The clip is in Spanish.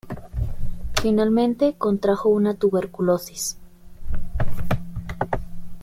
Finalmente contrajo una tuberculosis.